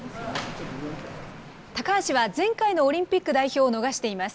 高橋は前回のオリンピック代表を逃しています。